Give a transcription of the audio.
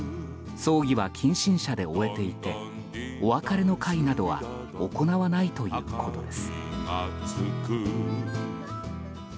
葬儀は近親者で終えていてお別れの会などは行わないということです。